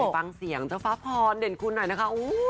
อ๋อเขาตั้งชื่อว่าลูก